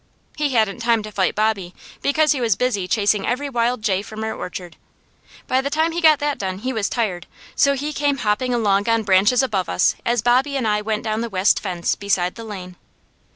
He hadn't time to fight Bobby because he was busy chasing every wild jay from our orchard. By the time he got that done, he was tired, so he came hopping along on branches above us as Bobby and I went down the west fence beside the lane.